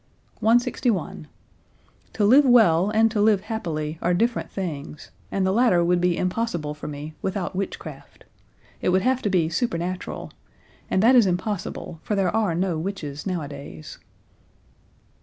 161. "To live well and to live happily are different things, and the latter would be impossible for me without witchcraft; it would have to be supernatural; and that is impossible for there are no witches now a days."